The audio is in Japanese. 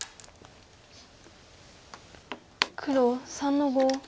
黒３の五。